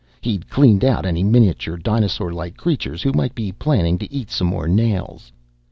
He'd cleaned out any miniature, dinosaurlike creatures who might be planning to eat some more nails.